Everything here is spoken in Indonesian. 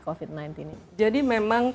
covid sembilan belas ini jadi memang